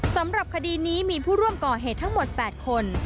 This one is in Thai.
สำหรับคดีนี้มีผู้ร่วมก่อเหตุทั้งหมด๘คน